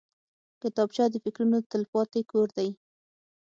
کتابچه د فکرونو تلپاتې کور دی